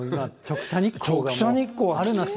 直射日光。